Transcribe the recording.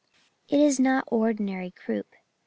'It is not ordinary croup.'